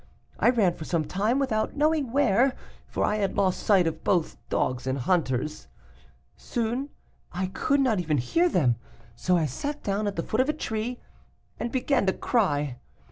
I ran for some time without knowing where, for I had lost sight of both dogs and hunters. "Soon I could not even hear them, so I sat down at the foot of a tree, and began to cry.